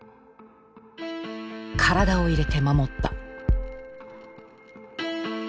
体を入れて守った。